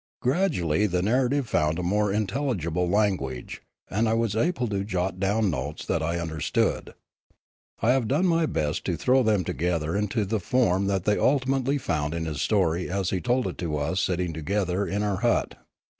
Gradually the narrative found a more intelligible language, and I was able to jot down notes that I understood. I have done my best to throw them to gether into the form that they ultimately found in his story as he told it to us sitting together in our hut.